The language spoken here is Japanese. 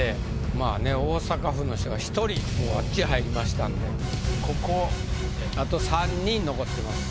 まぁね大阪府の人が１人あっち入りましたんであと３人残ってます。